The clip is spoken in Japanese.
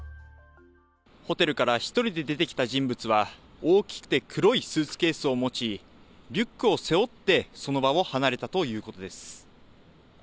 ホテルから１人で出てきた人物は、大きくて黒いスーツケースを持ち、リュックを背負ってその場を離れたということです。